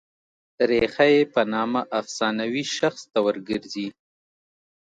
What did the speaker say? ریښه یې په نامه افسانوي شخص ته ور ګرځي.